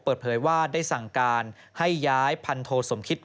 เปิดเผยว่าได้สั่งการให้ย้ายพันโทสมคิต